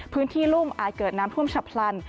พื้นที่รุ่มอาจเกิดน้ำพุ่มฉับพลัน